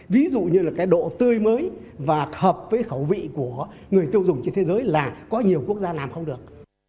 ví dụ như là cái độ tươi mới và hợp với khẩu vị của người tiêu dùng trên thế giới là có nhiều quốc gia làm không được